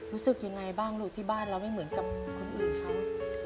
รู้สึกยังไงบ้างลูกที่บ้านเราไม่เหมือนกับคนอื่นเขา